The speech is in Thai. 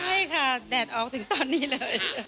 ใช่ค่ะแดดออกถึงตอนนี้เลย